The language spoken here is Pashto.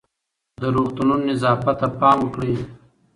د روغتونونو نظافت ته پام وکړئ.